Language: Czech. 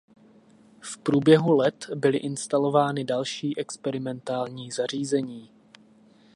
V průběhu let byly instalovány další experimentální zařízení.